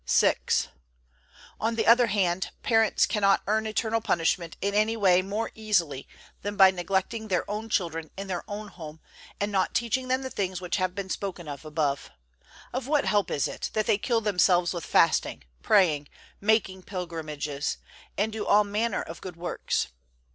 VI. On the other hand, parents cannot earn eternal punishment in any way more easily than by neglecting their own children in their own home, and not teaching them the things which have been spoken of above. Of what help is it, that they kill themselves with fasting, praying, making pilgrimages, and do all manner of good works?